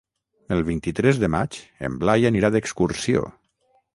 El vint-i-tres de maig en Blai anirà d'excursió.